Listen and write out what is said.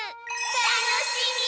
楽しみ！